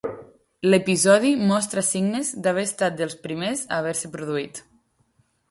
L'episodi mostra signes d'haver estat dels primers a haver-se produït.